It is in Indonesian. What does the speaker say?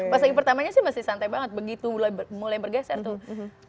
pas lagi pertamanya sih masih santai banget begitu mulai bergeser tuh